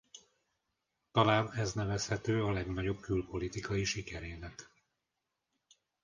Talán ez nevezhető a legnagyobb külpolitikai sikerének.